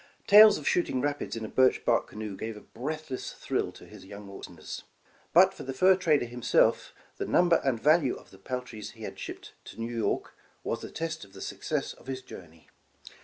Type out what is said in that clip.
Tales of shooting rapids in a birch bark canoe gave a breathless thrill to his young listeners; but for the fur trader himself, the number and value of the peltries he had shipped to New York, was the the test of the suc cess of his journey.